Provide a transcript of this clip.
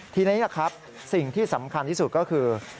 ทีนี้ครับสิ่งที่สำคัญที่สุดก็คือ